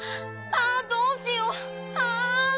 あどうしよう！